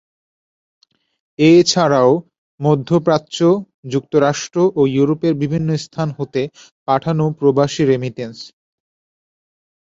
এছাড়াও মধ্যপ্রাচ্য, যুক্তরাষ্ট্র ও ইউরোপের বিভিন্ন স্থান হতে পাঠানো প্রবাসী রেমিটেন্স।